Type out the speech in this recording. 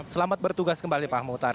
selamat bertugas kembali pak muhtar